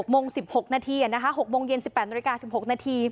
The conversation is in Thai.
๖โมง๑๖นาทีนะคะ๖โมงเย็น๑๘นาที๑๖นาที